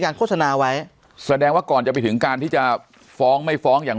โฆษณาไว้แสดงว่าก่อนจะไปถึงการที่จะฟ้องไม่ฟ้องอย่าง